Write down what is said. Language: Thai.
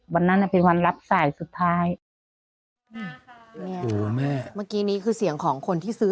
วันนั้นน่ะเป็นวันรับสายสุดท้ายอืมแม่เมื่อกี้นี้คือเสียงของคนที่ซื้อ